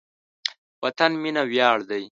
د وطن مینه ویاړ دی.